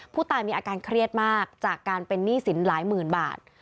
ผู้ตายมีอาการเครียดมากจากการเป็นหนี้สินหลายหมื่นบาท